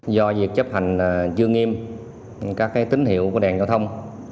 do việc chấp hành chưa nghiêm các tín hiệu của đèn giao thông